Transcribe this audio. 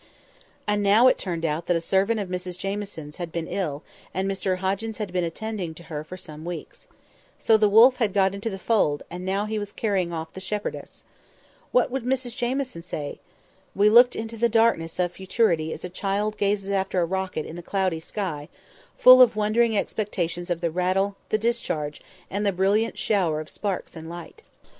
And now it turned out that a servant of Mrs Jamieson's had been ill, and Mr Hoggins had been attending her for some weeks. So the wolf had got into the fold, and now he was carrying off the shepherdess. What would Mrs Jamieson say? We looked into the darkness of futurity as a child gazes after a rocket up in the cloudy sky, full of wondering expectation of the rattle, the discharge, and the brilliant shower of sparks and light.